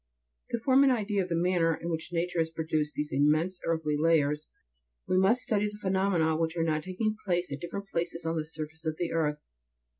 To form an idea of the manner in which nature has produced these immense earthy layers, we must study the phenomena which are now taking place at different places on the surface of the earth.